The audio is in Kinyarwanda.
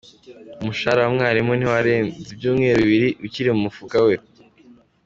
Umushahara wa mwarimu ntiwarenza ibyumweru bibiri ukiri mu mufuka we.